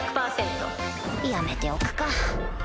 やめておくか